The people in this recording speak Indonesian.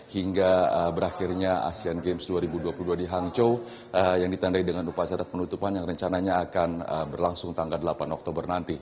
hingga berakhirnya asean games dua ribu dua puluh dua di hangzhou yang ditandai dengan upacara penutupan yang rencananya akan berlangsung tanggal delapan oktober nanti